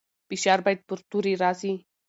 فشار باید پر توري راسي.